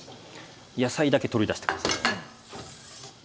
野菜だけ取り出して下さい。